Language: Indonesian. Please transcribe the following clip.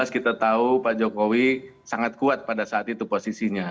dua ribu sembilan belas kita tahu pak jokowi sangat kuat pada saat itu posisinya